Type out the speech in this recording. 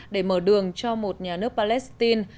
để mở đường cho một nhà nước palestine